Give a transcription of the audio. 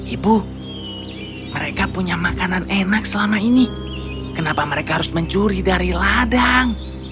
ibu mereka punya makanan enak selama ini kenapa mereka harus mencuri dari ladang